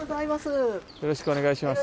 よろしくお願いします